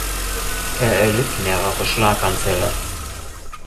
Er erlitt mehrere Schlaganfälle.